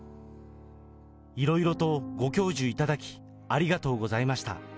いろいろとご教授いただき、ありがとうございました。